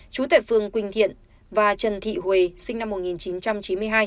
chú tệ phương quỳnh thiện và trần thị huế sinh năm một nghìn chín trăm chín mươi hai